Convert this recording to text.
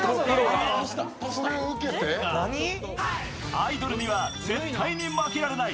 アイドルには絶対に負けられない。